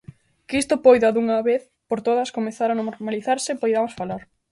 Que isto poida dunha vez por todas comezar a normalizarse e poidamos falar.